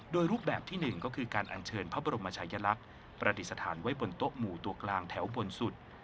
โดยรูปแบบที่๑ก็คือการอัญเชิญพระบรมชายลักษณ์ประดิษฐานไว้บนโต๊ะหมู่ตัวกลางแถวบนสุด